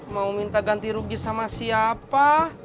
mau minta ganti rugi sama siapa